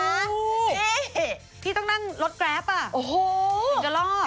เอ๊ะพี่ต้องนั่งรถกราฟอ่ะโอ้โหเป็นกระลอบ